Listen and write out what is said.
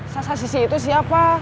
sasa sisi itu siapa